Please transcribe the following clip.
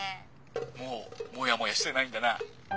もうモヤモヤしてないんだな。